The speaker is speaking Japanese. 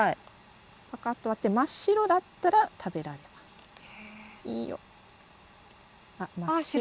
パカッと割って真っ白だったら食べられます。